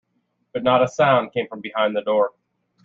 But not a sound came from behind the door.